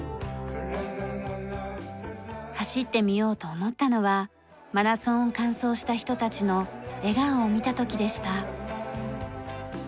走ってみようと思ったのはマラソンを完走した人たちの笑顔を見た時でした。